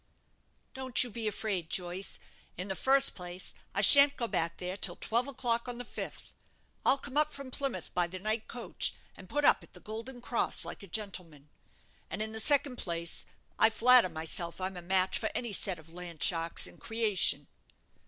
"Don't you be afraid, Joyce. In the first place I shan't go back there till twelve o'clock on the fifth. I'll come up from Plymouth by the night coach, and put up at the 'Golden Cross' like a gentleman. And, in the second place, I flatter myself I'm a match for any set of land sharks in creation."